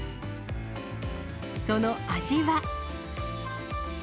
その味は。